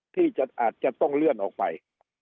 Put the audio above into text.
ที่อาจจะต้องเลื่อนออกไป